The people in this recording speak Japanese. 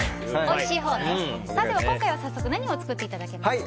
今回は早速何を作っていただけますか？